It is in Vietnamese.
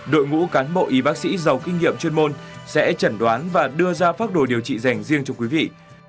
đội ngũ cán bộ y bác sĩ giàu kinh nghiệm chuyên môn sẽ chẩn đoán và đưa ra pháp đồ điều trị dành riêng cho quý vị